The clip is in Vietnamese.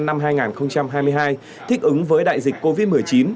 năm hai nghìn hai mươi hai thích ứng với đại dịch covid một mươi chín